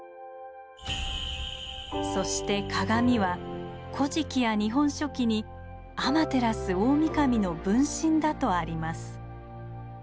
そして鏡は「古事記」や「日本書紀」にアマテラスオオミカミの分身だとあります。